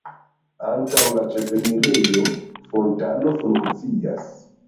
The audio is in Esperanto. Antaŭ la ĉefenirejo fontano funkcias.